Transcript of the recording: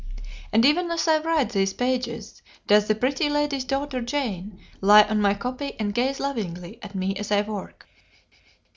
And even as I write these pages, does the Pretty Lady's daughter Jane lie on my copy and gaze lovingly at me as I work.